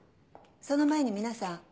その前に皆さん